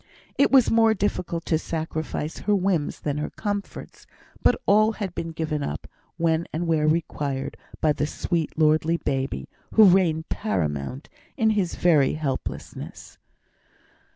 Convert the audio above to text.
It was more difficult to sacrifice her whims than her comforts; but all had been given up when and where required by the sweet lordly baby, who reigned paramount in his very helplessness.